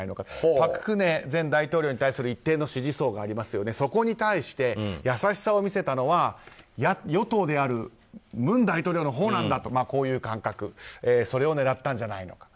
朴槿惠前大統領に対する一定の支持層に対して優しさを見せたのは与党である文大統領のほうなんだとこういう感覚それを狙ったんじゃないのかと。